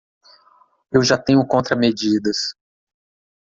Eu já tenho contramedidas